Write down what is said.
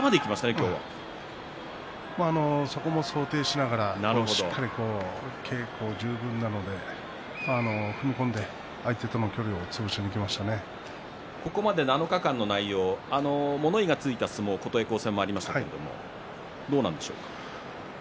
そこも想定しながらしっかり稽古十分なので踏み込んでここまで７日間の内容物言いがついた相撲琴恵光戦もありましたがどうなんでしょうか。